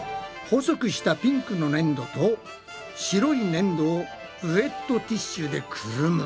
細くしたピンクのねんどと白いねんどをウエットティッシュでくるむ。